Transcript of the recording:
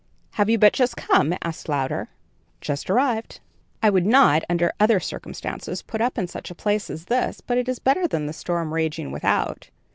"Have you but just come?" asked Louder. "Just arrived." "I would not, under other circumstances, put up in such a place as this; but it is better than the storm raging without."